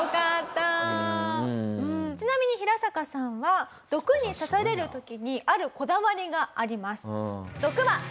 ちなみにヒラサカさんは毒に刺される時にあるこだわりがあります。